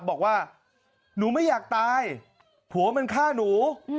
บอกว่าหนูไม่อยากตายผัวมันฆ่าหนู